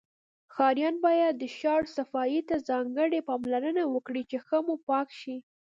ښاریان باید د شار صفایی ته ځانګړی پاملرنه وکړی چی ښه موپاک شی